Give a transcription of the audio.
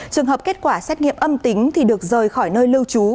trường hợp kết quả xét nghiệm âm tính thì được rời khỏi nơi lưu trú